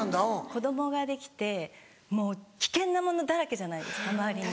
子供ができてもう危険なものだらけじゃないですか周りに。